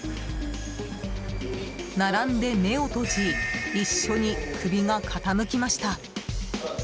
並んで目を閉じ一緒に首が傾きました。